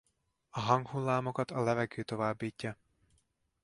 A hanghullámokat a levegő továbbítja.